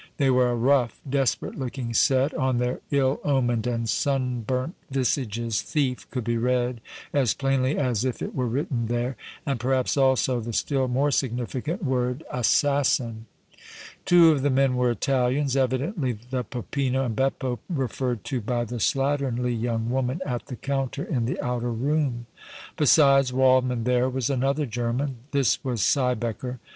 They were a rough, desperate looking set; on their ill omened and sunburnt visages thief could be read as plainly as if it were written there, and perhaps, also, the still more significant word, assassin! Two of the men were Italians, evidently the Peppino and Beppo referred to by the slatternly young woman at the counter in the outer room. Besides Waldmann there was another German. This was Siebecker.